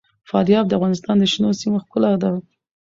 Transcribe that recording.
فاریاب د افغانستان د شنو سیمو ښکلا ده.